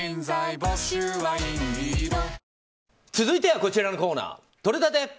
続いてはこちらのコーナーとれたて！